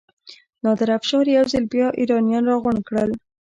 نادر افشار یو ځل بیا ایرانیان راغونډ کړل.